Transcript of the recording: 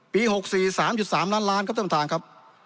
๖๔๓๓ล้านล้านครับท่านประธานครับ